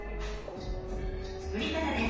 作り方です。